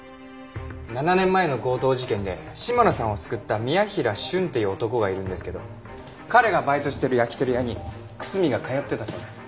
７年前の強盗事件で嶋野さんを救った宮平瞬っていう男がいるんですけど彼がバイトしてる焼き鳥屋に楠見が通ってたそうです。